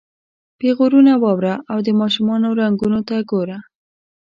پیغورونه واوره او د ماشومانو رنګونو ته ګوره.